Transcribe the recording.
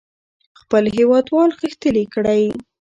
خپل هېوادوال غښتلي کړئ.